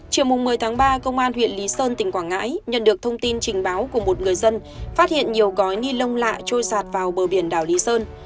chiều một mươi tháng ba công an huyện lý sơn tỉnh quảng ngãi nhận được thông tin trình báo của một người dân phát hiện nhiều gói ni lông lạ trôi giạt vào bờ biển đảo lý sơn